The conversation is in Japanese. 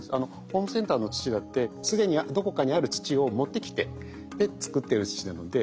ホームセンターの土だって既にどこかにある土を持ってきてで作ってる土なので。